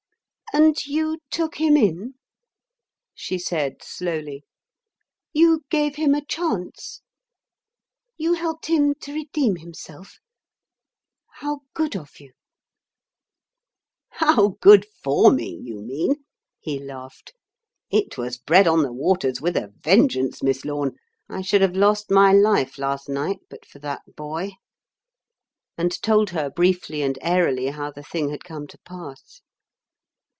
"And you took him in?" she said slowly. "You gave him a chance? You helped him to redeem himself? How good of you." "How good for me, you mean," he laughed, "It was 'bread on the waters' with a vengeance, Miss Lorne. I should have lost my life last night but for that boy." And told her briefly and airily how the thing had come to pass.